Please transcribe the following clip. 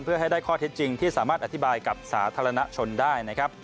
เพื่อให้ได้ข้อเท็จจริงที่สามารถอธิบายกับสาธารณชนได้นะครับ